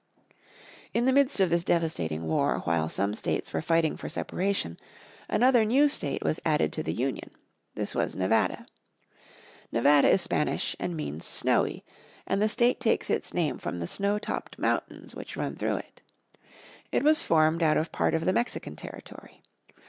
In the midst of this devastating war while some states were fighting for separation, another new state was added to the Union. This was Nevada. Nevada is Spanish and means snowy, and the state takes its name from the snowy topped mountains which run through it. It was formed out of part of the Mexican territory.